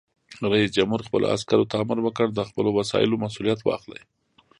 رئیس جمهور خپلو عسکرو ته امر وکړ؛ د خپلو وسایلو مسؤلیت واخلئ!